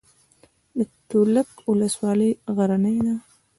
د تولک ولسوالۍ غرنۍ ده